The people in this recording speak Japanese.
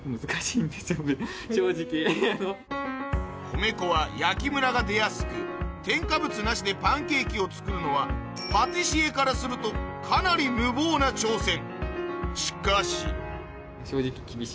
米粉は焼きムラが出やすく添加物なしでパンケーキを作るのはパティシエからするとかなり無謀な挑戦